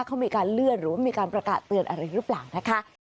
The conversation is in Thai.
เขามีการเลื่อนหรือว่ามีการประกาศเตือนอะไรหรือเปล่านะคะ